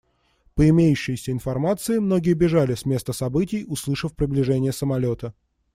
По имеющейся информации, многие бежали с места событий, услышав приближение самолета.